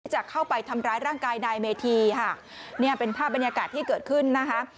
จะเข้าไปทำร้ายร่างกายนายเมธีค่ะเนี่ยเป็นภาพบรรยากาศที่เกิดขึ้นนะคะ